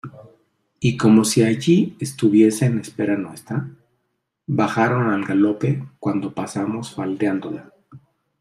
y como si allí estuviesen en espera nuestra, bajaron al galope cuando pasamos faldeándola.